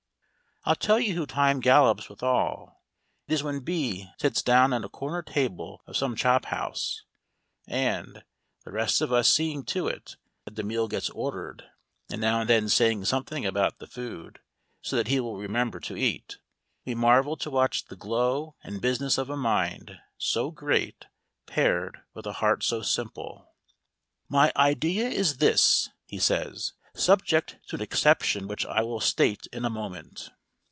I'll tell you who Time gallops withal! It is when B sits down at a corner table of some chophouse, and (the rest of us seeing to it that the meal gets ordered, and now and then saying something about the food so that he will remember to eat) we marvel to watch the glow and business of a mind so great paired with a heart so simple. "My idea is this," he says, "subject to an exception which I will state in a moment."